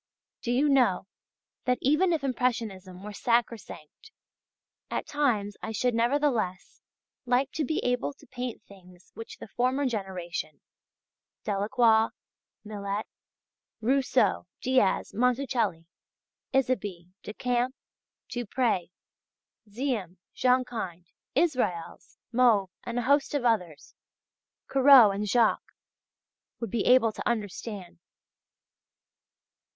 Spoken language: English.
Do you know that even if Impressionism were sacrosanct, at times I should, nevertheless, like to be able to paint things which the former generation, Delacroix, Millet, Rousseau, Diaz, Monticelli, Isabey, Decamps, Dupré, Ziem, Jonkind, Israels, Mauve, and a host of others, Corot, and Jacques ... would be able to understand.